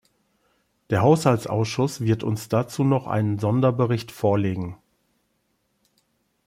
Der Haushaltsausschuss wird uns dazu noch einen Sonderbericht vorlegen.